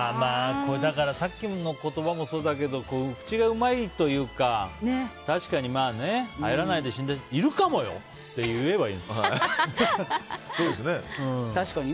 さっきの言葉もそうだけど口がうまいというか確かに、入らないで死んだ人いるかもよ！って言えばいいのかな。